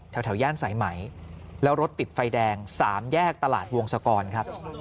ย่านสายไหมแล้วรถติดไฟแดง๓แยกตลาดวงศกรครับ